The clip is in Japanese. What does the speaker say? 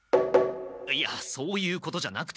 いやそういうことじゃなくて何だ？